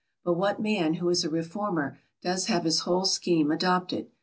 But what man who is a reformer does have his whole scheme adopted?